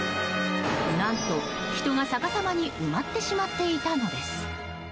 何と、人が逆さまに埋まってしまっていたのです。